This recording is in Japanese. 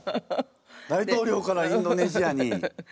大統領からはインドネシアに。